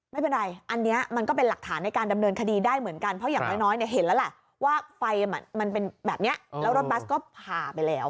ไม่เป็นไรอันนี้มันก็เป็นหลักฐานในการดำเนินคดีได้เหมือนกันเพราะอย่างน้อยเห็นแล้วแหละว่าไฟมันเป็นแบบนี้แล้วรถบัสก็ผ่าไปแล้ว